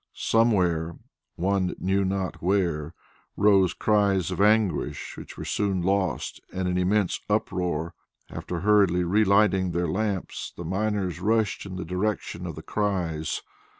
Somewhere, one knew not where, rose cries of anguish which were soon lost in an immense uproar. After hurriedly re lighting their lamps, the miners rushed in the direction of the cries.